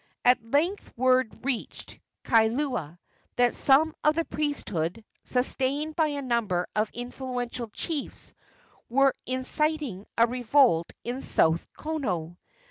At length word reached Kailua that some of the priesthood, sustained by a number of influential chiefs, were inciting a revolt in South Kono.